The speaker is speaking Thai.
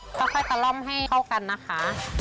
ค่อยตะล่อมให้เข้ากันนะคะ